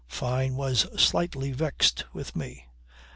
Fyne was slightly vexed with me.